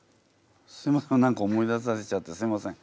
すいません何か思い出させちゃってすいません。